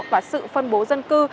và sự phân bố dân cư